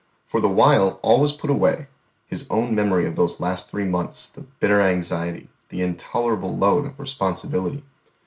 For the while, all was put away, His own memory of those last three months, the bitter anxiety, the intolerable load of responsibility.